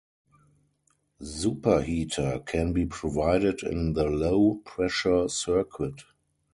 Super heater can be provided in the low pressure circuit.